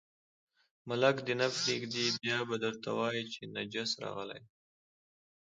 ملک دې نه پرېږدي، بیا به درته وایي چې نجس راغلی دی.